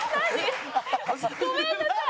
ごめんなさい。